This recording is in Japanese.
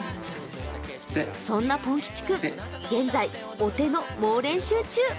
そんなぽん吉君、現在、お手の猛練習中。